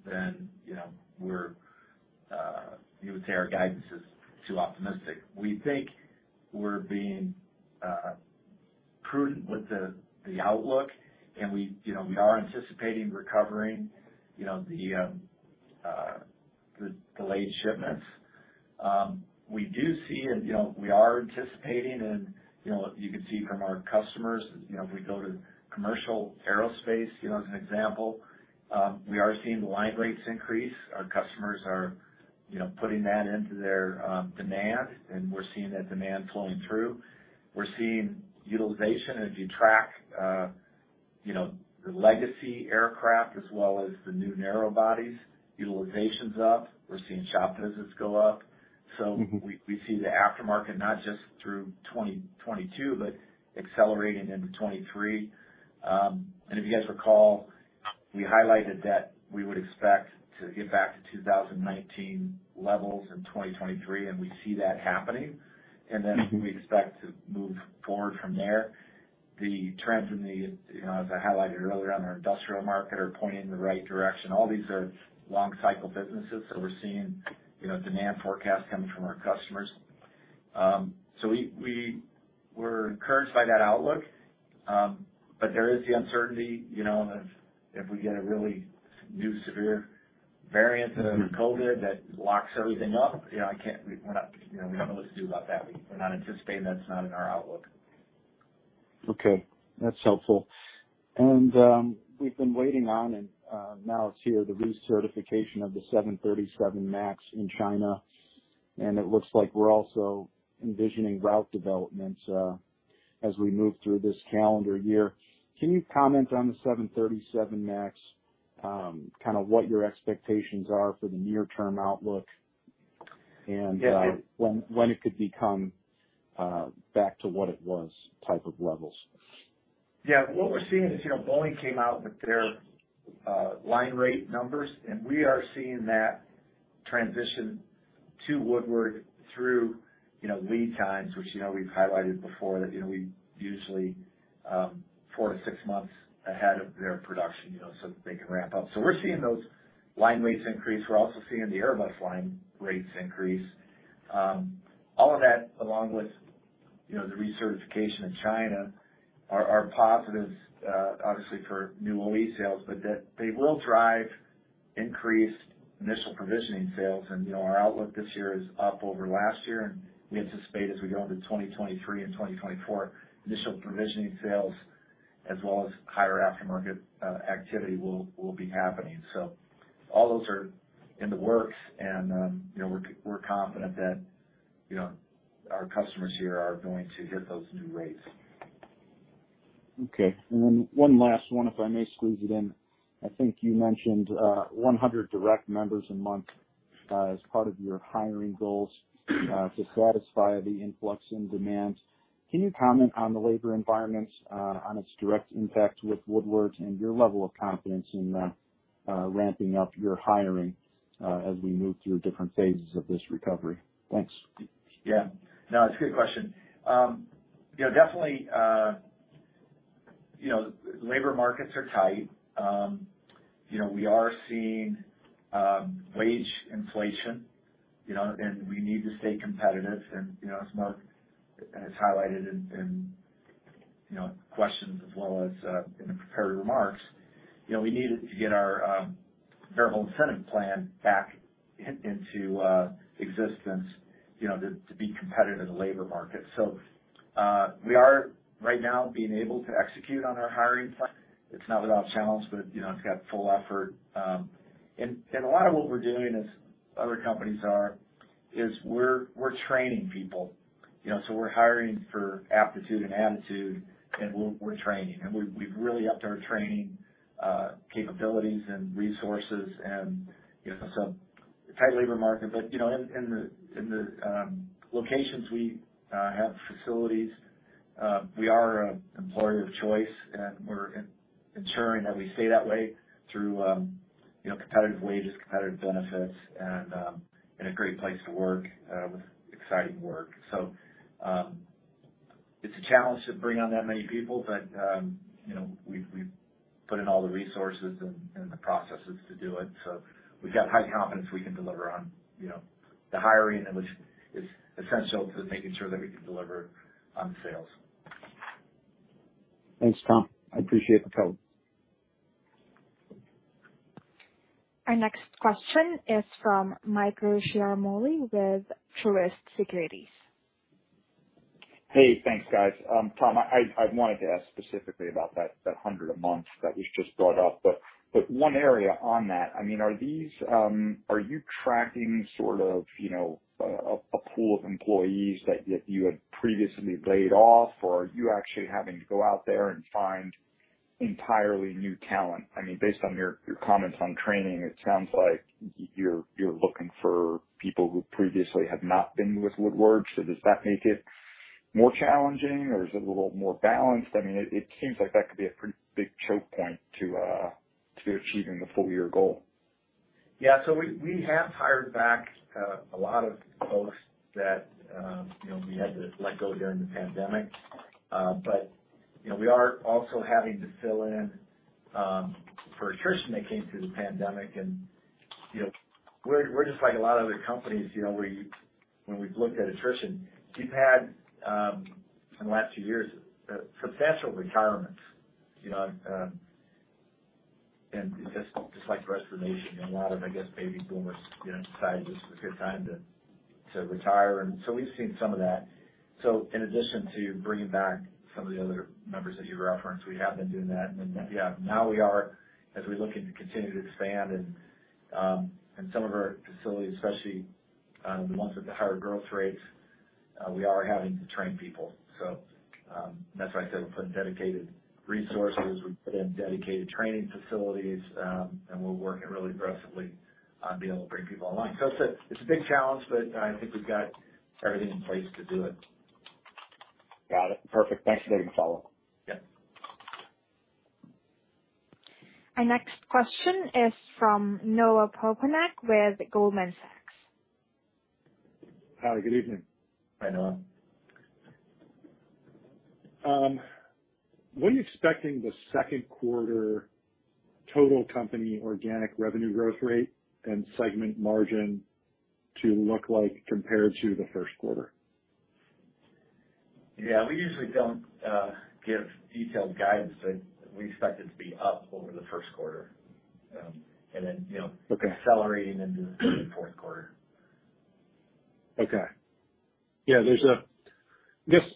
then, you know, you would say our guidance is too optimistic. We think we're being prudent with the outlook. We, you know, are anticipating recovering, you know, the late shipments. We do see, you know, we are anticipating, you know, you can see from our customers, you know, if we go to commercial aerospace, you know, as an example, we are seeing the line rates increase. Our customers are, you know, putting that into their demand, and we're seeing that demand flowing through. We're seeing utilization. If you track, you know, the legacy aircraft as well as the new narrow bodies, utilization's up. We're seeing shop visits go up. Mm-hmm. We see the aftermarket not just through 2022, but accelerating into 2023. If you guys recall, we highlighted that we would expect to get back to 2019 levels in 2023, and we see that happening. We expect to move forward from there. The trends in the, you know, as I highlighted earlier on our industrial market are pointing in the right direction. All these are long cycle businesses, so we're seeing, you know, demand forecasts coming from our customers. We're encouraged by that outlook. There is the uncertainty, you know, if we get a really new severe variant of COVID that locks everything up, you know, we're not, you know, we don't know what to do about that. We're not anticipating. That's not in our outlook. Okay. That's helpful. We've been waiting on, and now it's here, the recertification of the 737 MAX in China, and it looks like we're also envisioning route developments, as we move through this calendar year. Can you comment on the 737 MAX, kinda what your expectations are for the near term outlook and? Yeah. When it could become back to what it was type of levels? Yeah. What we're seeing is, you know, Boeing came out with their line rate numbers, and we are seeing that transition to Woodward through, you know, lead times, which, you know, we've highlighted before that, you know, we usually four to six months ahead of their production, you know, so they can ramp up. We're seeing those line rates increase. We're also seeing the Airbus line rates increase. All of that along with, you know, the recertification in China are positives obviously for new OE sales, but that they will drive increased initial provisioning sales. Our outlook this year is up over last year. We anticipate as we go into 2023 and 2024, initial provisioning sales as well as higher aftermarket activity will be happening. All those are in the works and, you know, we're confident that, you know, our customers here are going to get those new rates. Okay. One last one, if I may squeeze it in. I think you mentioned 100 direct members a month as part of your hiring goals to satisfy the influx in demand. Can you comment on the labor environment on its direct impact with Woodward and your level of confidence in ramping up your hiring as we move through different phases of this recovery? Thanks. Yeah. No, it's a good question. You know, definitely, you know, labor markets are tight. You know, we are seeing wage inflation, you know, and we need to stay competitive. You know, as Mark has highlighted in you know, questions as well as in the prepared remarks. You know, we needed to get our variable incentive plan back into existence, you know, to be competitive in the labor market. We are right now being able to execute on our hiring plan. It's not without challenge, but you know, it's got full effort. A lot of what we're doing, as other companies are, is we're training people. You know, so we're hiring for aptitude and attitude, and we're training. We've really upped our training capabilities and resources and, you know, so tight labor market. You know, in the locations we have facilities, we are an employer of choice, and we're ensuring that we stay that way through, you know, competitive wages, competitive benefits, and in a great place to work with exciting work. It's a challenge to bring on that many people, but, you know, we've put in all the resources and the processes to do it. We've got high confidence we can deliver on the hiring and which is essential to making sure that we can deliver on sales. Thanks, Tom. I appreciate the color. Our next question is from Michael Ciarmoli with Truist Securities. Hey, thanks, guys. Tom, I wanted to ask specifically about that 100 a month that was just brought up. One area on that, I mean, are these are you tracking sort of, you know, a pool of employees that you had previously laid off, or are you actually having to go out there and find entirely new talent? I mean, based on your comments on training, it sounds like you're looking for people who previously have not been with Woodward. Does that make it more challenging, or is it a little more balanced? I mean, it seems like that could be a pretty big choke point to achieving the full year goal. Yeah. We have hired back a lot of folks that you know, we had to let go during the pandemic. You know, we are also having to fill in for attrition that came through the pandemic. You know, we're just like a lot of other companies, you know, when we've looked at attrition, we've had in the last few years substantial retirements, you know, and just like the rest of the nation. A lot of, I guess, baby boomers, you know, decided this is a good time to retire. We've seen some of that. In addition to bringing back some of the other members that you referenced, we have been doing that. Now we are as we look into continuing to expand and some of our facilities, especially the ones with the higher growth rates, we are having to train people. That's why I said we're putting dedicated resources. We put in dedicated training facilities. We're working really aggressively on being able to bring people online. It's a big challenge, but I think we've got everything in place to do it. Got it. Perfect. Thanks. Maybe follow up. Yeah. Our next question is from Noah Poponak with Goldman Sachs. Howdy. Good evening. Hi, Noah. What are you expecting the second quarter total company organic revenue growth rate and segment margin to look like compared to the first quarter? Yeah. We usually don't give detailed guidance, but we expect it to be up over the first quarter, and then you know. Okay. Accelerating into the fourth quarter. Just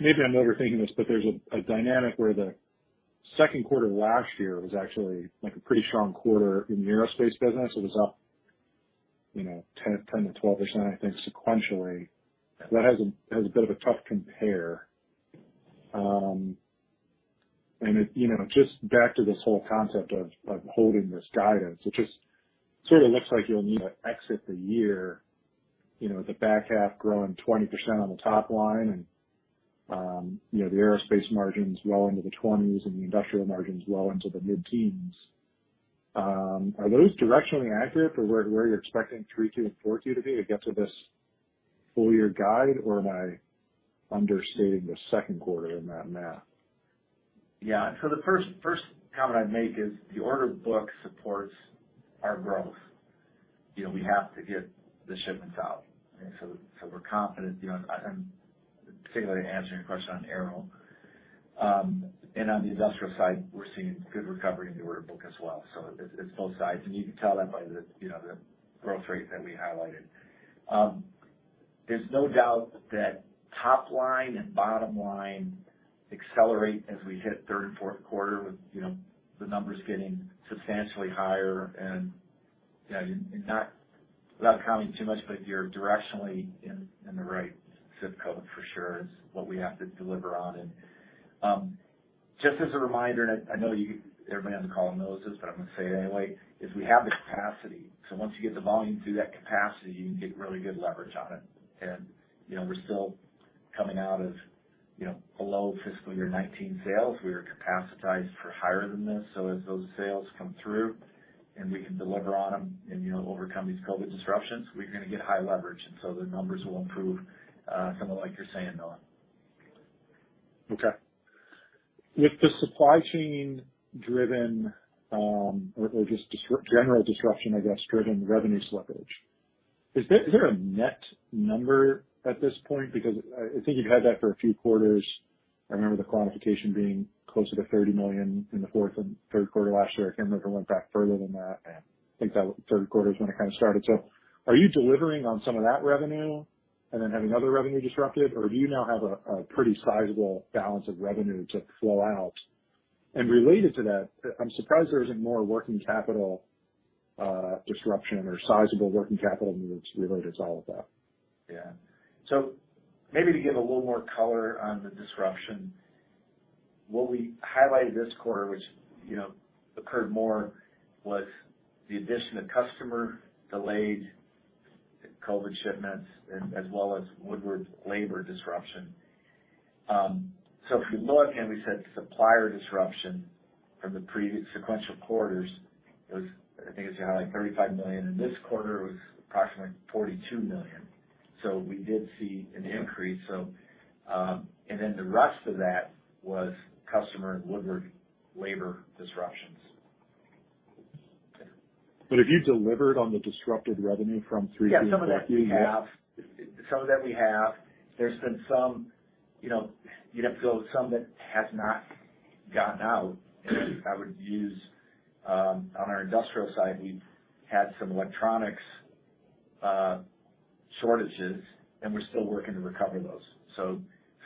maybe I'm overthinking this, but there's a dynamic where the second quarter of last year was actually, like, a pretty strong quarter in the aerospace business. It was up, you know, 10%-12%, I think, sequentially. That has a bit of a tough compare. It, you know, just back to this whole concept of holding this guidance, it just sort of looks like you'll need to exit the year, you know, with the back half growing 20% on the top line and, you know, the aerospace margins well into the twenties and the industrial margins well into the mid-teens. Are those directionally accurate for where you're expecting 3Q and 4Q to be to get to this full year guide, or am I understating the second quarter in that math? Yeah. The first comment I'd make is the order book supports our growth. You know, we have to get the shipments out. We're confident, you know, I'm particularly answering a question on Aero. On the industrial side, we're seeing good recovery in the order book as well. It's both sides. You can tell that by the, you know, the growth rate that we highlighted. There's no doubt that top line and bottom line accelerate as we hit third and fourth quarter with, you know, the numbers getting substantially higher. You know, without commenting too much, but you're directionally in the right ZIP code for sure is what we have to deliver on. Just as a reminder, I know everybody on the call knows this, but I'm gonna say it anyway, is we have the capacity. Once you get the volume through that capacity, you can get really good leverage on it. You know, we're still coming out of you know, below fiscal year 2019 sales. We are capacitated for higher than this. As those sales come through and we can deliver on them and you know, overcome these COVID disruptions, we're gonna get high leverage. The numbers will improve, similar like you're saying, Noah. Okay. With the supply chain driven or just general disruption, I guess, driven revenue slippage. Is there a net number at this point? Because I think you've had that for a few quarters. I remember the quantification being closer to $30 million in the fourth and third quarter last year. I can't remember it went back further than that. I think that third quarter is when it kind of started. Are you delivering on some of that revenue and then having other revenue disrupted, or do you now have a pretty sizable balance of revenue to flow out? And related to that, I'm surprised there isn't more working capital disruption or sizable working capital needs related to all of that. Yeah. Maybe to give a little more color on the disruption, what we highlighted this quarter, which, you know, occurred more, was the addition of customer delayed COVID shipments as well as Woodward labor disruption. If you look and we said supplier disruption from the previous sequential quarters, it was I think as you highlight $35 million. In this quarter, it was approximately $42 million. We did see an increase. And then the rest of that was customer and Woodward labor disruptions. Have you delivered on the disrupted revenue from Q3 to Q4? Yeah, some of that we have. There's been some, you know, you'd have to go with some that has not gotten out. I would use on our industrial side, we've had some electronics shortages, and we're still working to recover those.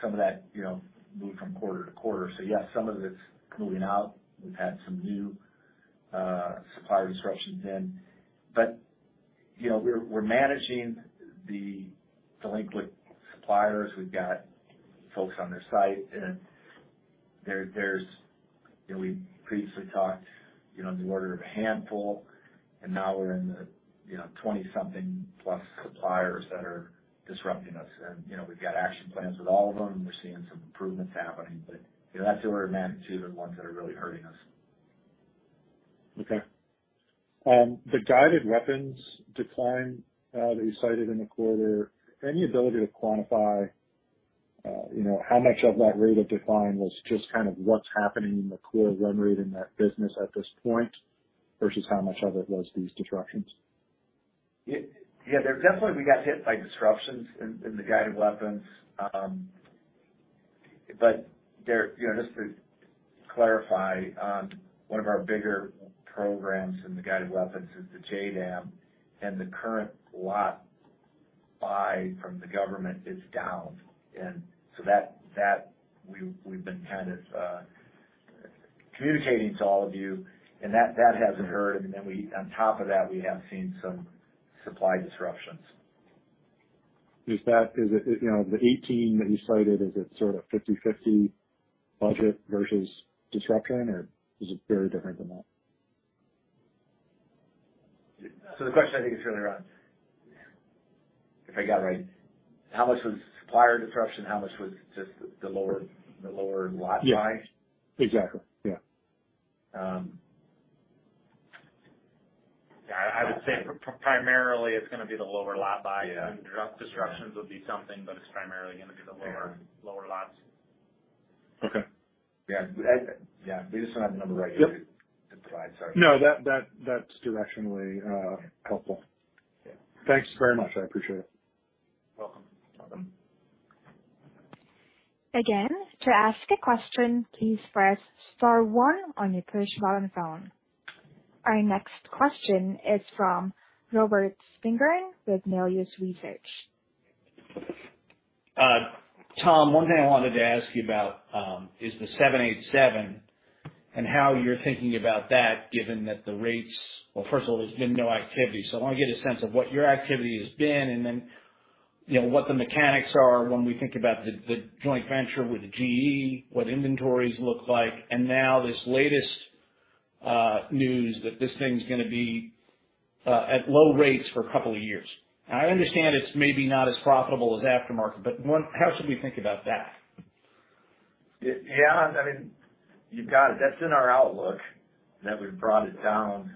Some of that, you know, moved from quarter to quarter. Yes, some of it's moving out. We've had some new supplier disruptions in. You know, we're managing the delinquent suppliers. We've got folks on their site. You know, we previously talked, you know, in the order of a handful, and now we're in the, you know, 20-something plus suppliers that are disrupting us. You know, we've got action plans with all of them. We're seeing some improvements happening. You know, that's the order of magnitude of ones that are really hurting us. Okay. The guided weapons decline that you cited in the quarter, any ability to quantify, you know, how much of that rate of decline was just kind of what's happening in the core run rate in that business at this point versus how much of it was these disruptions? Yeah. Yeah, definitely we got hit by disruptions in the guided weapons. But, you know, just to clarify, one of our bigger programs in the guided weapons is the JDAM, and the current lot buy from the government is down, that we've been kind of communicating to all of you, and that hasn't changed. On top of that, we have seen some supply disruptions. Is it, you know, the 18 that you cited, is it sort of 50/50 budget versus disruption, or is it very different than that? The question I think is sort of around, if I got it right, how much was supplier disruption, how much was just the lower lot buy? Yeah. Exactly, yeah. Um. Yeah, I would say primarily it's gonna be the lower lot buy. Yeah. Disruptions would be something, but it's primarily gonna be the lower- Yeah. Lower lots. Okay. Yeah. We just don't have the number right here to provide, sorry. No. That's directionally helpful. Yeah. Thanks very much. I appreciate it. Welcome. Welcome. Our next question is from Robert Spingarn with Melius Research. Tom, one thing I wanted to ask you about is the 787 and how you're thinking about that given that the rates. Well, first of all, there's been no activity. I wanna get a sense of what your activity has been and then, you know, what the mechanics are when we think about the joint venture with GE, what inventories look like, and now this latest news that this thing's gonna be at low rates for a couple of years. I understand it's maybe not as profitable as aftermarket, but how should we think about that? Yeah. I mean, you've got it. That's in our outlook that we've brought it down.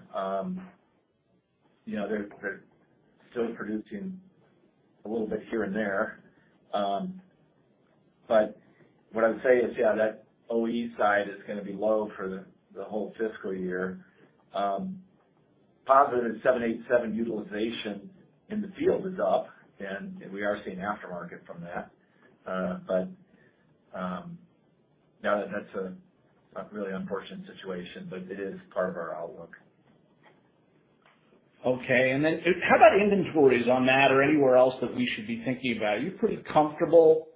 You know, they're still producing a little bit here and there. But what I would say is, yeah, that OE side is gonna be low for the whole fiscal year. Positive 787 utilization in the field is up, and we are seeing aftermarket from that. But no, that's a really unfortunate situation, but it is part of our outlook. Okay. And then how about inventories on that or anywhere else that we should be thinking about? Are you pretty comfortable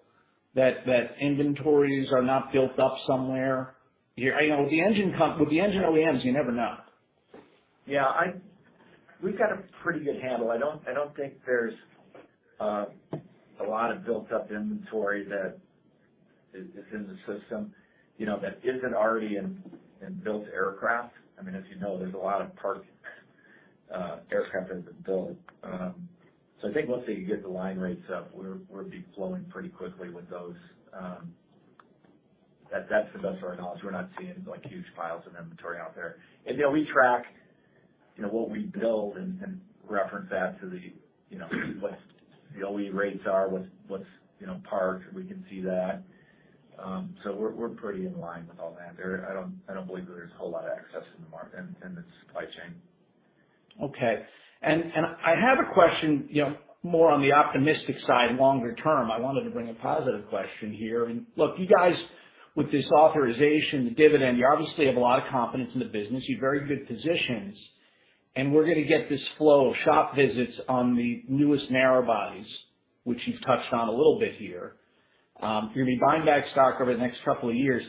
that inventories are not built up somewhere? You know, with the engine OEMs, you never know. Yeah. We've got a pretty good handle. I don't think there's a lot of built up inventory that is in the system, you know, that isn't already in built aircraft. I mean, as you know, there's a lot of parked aircraft that's been built. I think once they get the line rates up, we'll be flowing pretty quickly with those. That's the best of our knowledge. We're not seeing, like, huge piles of inventory out there. You know, we track you know what we build and reference that to the you know OE rates are what's parked. We can see that. We're pretty in line with all that. I don't believe there's a whole lot of excess in the supply chain. Okay. I have a question, you know, more on the optimistic side, longer term. I wanted to bring a positive question here. Look, you guys, with this authorization, the dividend, you obviously have a lot of confidence in the business. You have very good positions, and we're gonna get this flow of shop visits on the newest narrow bodies, which you've touched on a little bit here. You're gonna be buying back stock over the next couple of years.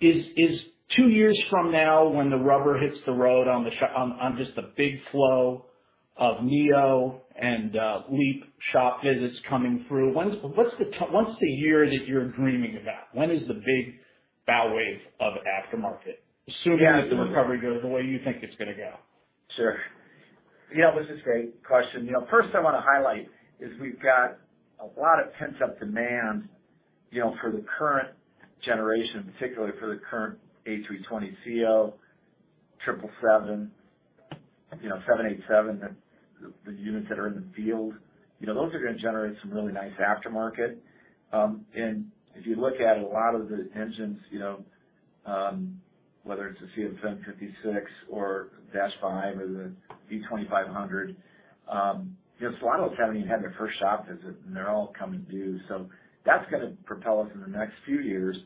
Is two years from now when the rubber hits the road on just the big flow of neo and LEAP shop visits coming through? What's the year that you're dreaming about? When is the big bow wave of aftermarket- Yeah. Assuming that the recovery goes the way you think it's gonna go? Sure. Yeah, this is a great question. You know, first I wanna highlight is we've got a lot of pent-up demand, you know, for the current generation, particularly for the current A320 CEO, 777, you know, 787, the units that are in the field. You know, those are gonna generate some really nice aftermarket. And if you look at a lot of the engines, you know, whether it's a CFM56 or dash 5 or the V2500, you know, some of those haven't even had their first shop visit, and they're all coming due. So that's gonna propel us in the next few years.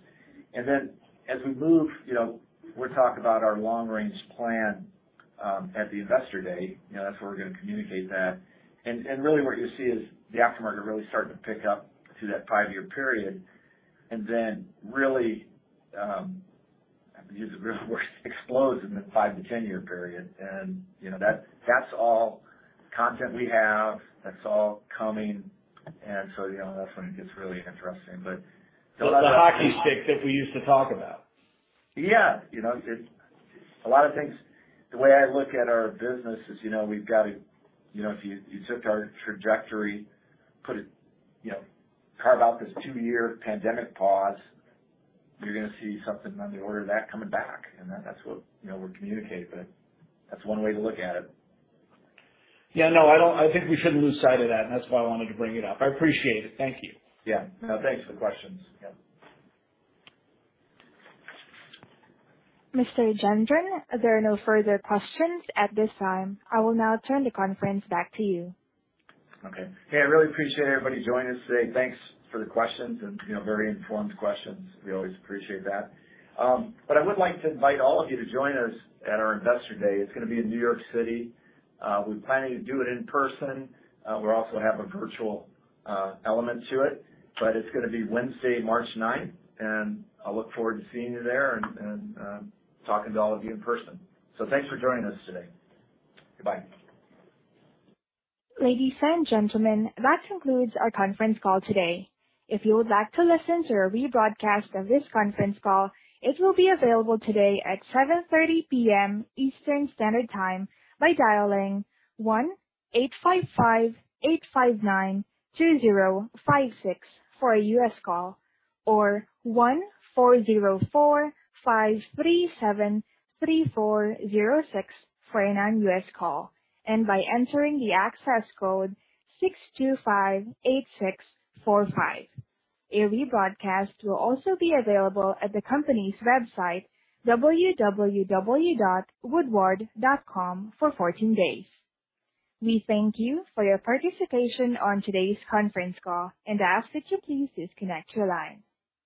Then as we move, you know, we'll talk about our long range plan at the investor day. You know, that's where we're gonna communicate that. Really what you'll see is the aftermarket really starting to pick up through that five-year period. Then really, I have to use a real word, explodes in the five to ten-year period. You know, that's all content we have. That's all coming. You know, that's when it gets really interesting. The hockey stick that we used to talk about. Yeah. You know, the way I look at our business is, you know, we've got, you know, if you took our trajectory, put it, you know, carve out this two-year pandemic pause, you're gonna see something on the order of that coming back. That's what, you know, we're communicating. That's one way to look at it. Yeah. No, I think we shouldn't lose sight of that, and that's why I wanted to bring it up. I appreciate it. Thank you. Yeah. No, thanks for the questions. Yeah. Mr. Gendron, there are no further questions at this time. I will now turn the conference back to you. Okay. Hey, I really appreciate everybody joining us today. Thanks for the questions and, you know, very informed questions. We always appreciate that. I would like to invite all of you to join us at our investor day. It's gonna be in New York City. We're planning to do it in person. We'll also have a virtual element to it. It's gonna be Wednesday, March ninth, and I'll look forward to seeing you there and talking to all of you in person. Thanks for joining us today. Goodbye. Ladies and gentlemen, that concludes our conference call today. If you would like to listen to a rebroadcast of this conference call, it will be available today at 7:30 P.M. Eastern Standard Time by dialing 1-855-859-2056 for a U.S. call or 1-404-537-3406 for a non-U.S. call, and by entering the access code 6258645. A rebroadcast will also be available at the company's website, www.woodward.com, for 14 days. We thank you for your participation on today's conference call and ask that you please disconnect your line.